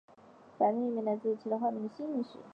白团一名就来自他化名的姓氏。